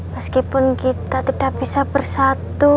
meskipun kita tidak bisa bersatu